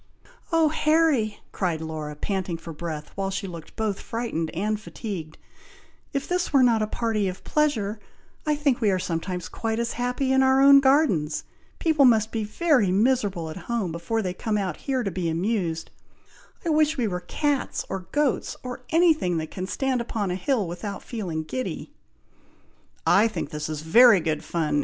"Oh, Harry!" cried Laura, panting for breath, while she looked both frightened and fatigued, "If this were not a party of pleasure, I think we are sometimes quite as happy in our own gardens! People must be very miserable at home, before they come here to be amused! I wish we were cats, or goats, or any thing that can stand upon a hill without feeling giddy." "I think this is very good fun!"